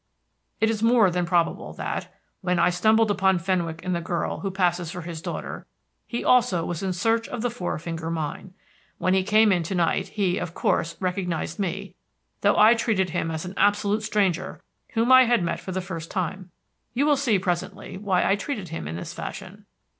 It is more than probable that, when I stumbled upon Fenwick and the girl who passes for his daughter, he also was in search of the Four Finger Mine. When he came in to night he, of course, recognised me, though I treated him as an absolute stranger whom I had met for the first time. You will see presently why I treated him in this fashion.